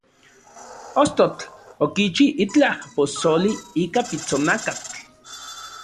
Ostotl okichi itlaj posoli ika pitsonakatl.